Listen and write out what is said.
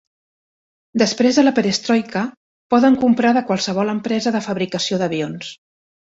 Després de la Perestroika, poden comprar de qualsevol empresa de fabricació d'avions.